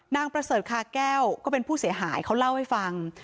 ประเสริฐคาแก้วก็เป็นผู้เสียหายเขาเล่าให้ฟัง